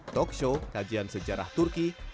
talk show kajian sejarah turki